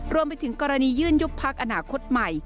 รวมไปถึงกรณียื่นยุบพักอนาคตใหม่